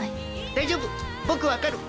大丈夫僕分かる。